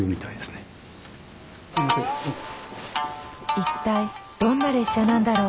一体どんな列車なんだろう？